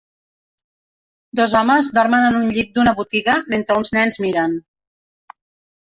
Dos homes dormen en un llit d'una botiga mentre uns nens miren.